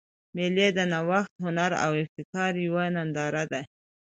مېلې د نوښت، هنر او ابتکار یوه ننداره ده.